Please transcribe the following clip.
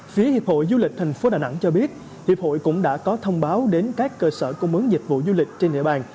phía hiệp hội du lịch thành phố đà nẵng cho biết hiệp hội cũng đã có thông báo đến các cơ sở công ứng dịch vụ du lịch trên địa bàn